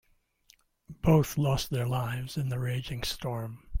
Both lost their lives in the raging storm.